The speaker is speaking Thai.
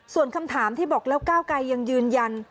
ส่วนคำถามที่บอกแล้วก้าวไกรยังยืนยัน